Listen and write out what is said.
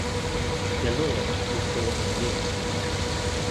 Delorme was born in Lyon.